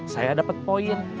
saya dapet poin